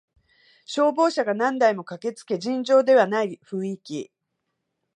消防車が何台も駆けつけ尋常ではない雰囲気